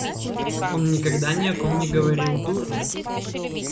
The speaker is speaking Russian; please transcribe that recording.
Он никогда ни о ком не говорил дурно.